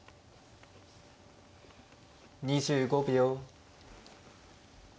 ２５秒。